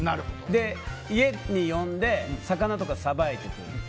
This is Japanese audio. で、家に呼んで魚とか、さばいてくれる。